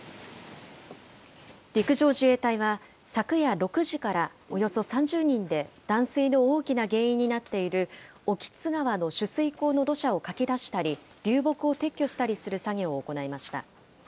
陸上自衛隊は、昨夜６時からおよそ３０人で断水の大きな原因になっている興津川の取水口の土砂をかき出したり、流木を撤去したりする作業を行いました。